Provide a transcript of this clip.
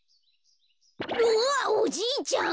うわっおじいちゃん！？